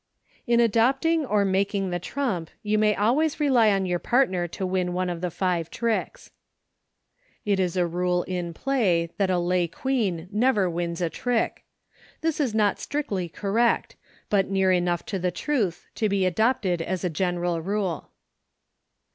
In adopting or making the trump you may always rely on your partner to win one of the five tricks. It is a rule in play that a lay Queen never wins a trick. This is not strictly correct, but near enough to the truth to be adopted as a general rule.